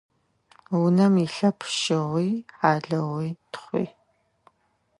Унэм илъэп щыгъуи, хьалыгъуи, тхъуи.